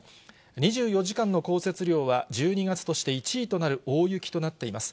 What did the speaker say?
２４時間の降雪量は、１２月として１位となる大雪となっています。